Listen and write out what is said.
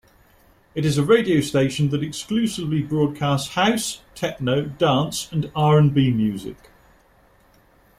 It is a radio station that exclusively broadcasts House, Techno, Dance and R'n'B music.